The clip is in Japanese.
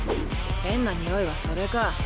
変な臭いはそれか。